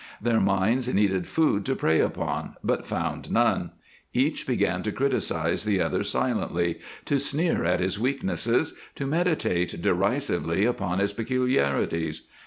Their minds needed food to prey upon, but found none. Each began to criticize the other silently, to sneer at his weaknesses, to meditate derisively upon his peculiarities.